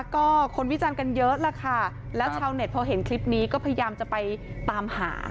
ก็คนวิจารณ์กันเยอะล่ะค่ะแล้วชาวเน็ตพอเห็นคลิปนี้ก็พยายามจะไปตามหา